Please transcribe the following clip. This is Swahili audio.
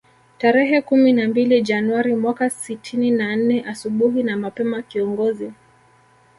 Tarehe kumi na mbili Januari mwaka sitini na nne asubuhi na mapema kiongozi